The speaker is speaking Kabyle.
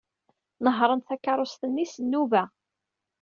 Nehṛent takeṛṛust-nni s nnuba.